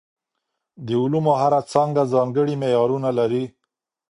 د علومو هره څانګه ځانګړي معیارونه لري.